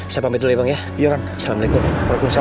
bapak bapak saya mau ke rumah